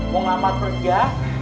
mau ngelamar kerja